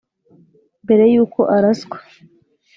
Mbere y’uko araswa